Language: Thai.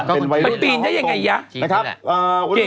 เป็นปีนใช้ยังไง